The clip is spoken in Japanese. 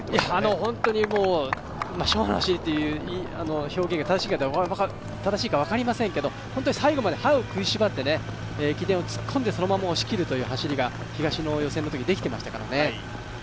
本当に昭和の走りという表現が正しいか分かりませんけど本当に最後まで歯を食いしばって駅伝を突っ込んでそのまま走るという東の予選のときにできていましたからね。